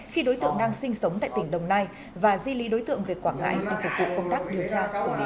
khi đối tượng đang sinh sống tại tỉnh đồng nai và di lý đối tượng về quảng ngãi để phục vụ công tác điều tra xử lý